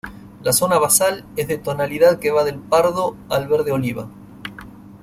La zona basal es de tonalidad que va del pardo al verde oliva.